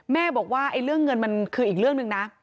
แม่บอกว่าเรื่องเงินมันคืออีกเรื่องหนึ่งนะ